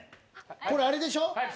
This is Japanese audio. これあれでしょ？